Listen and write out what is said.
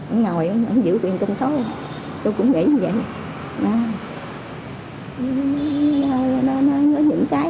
ông ngồi ông giữ quyền tùm thôi